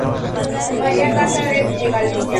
María Casares e Galicia".